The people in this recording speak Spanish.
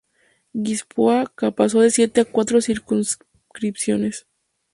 Guipúzcoa pasó de siete a cuatro circunscripciones.